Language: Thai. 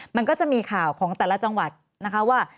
มันก็จะมีข่าวของแต่ละจังหวัดนะคะว่า